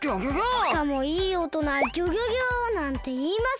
しかもいいおとなは「ギョギョギョ！」なんていいません。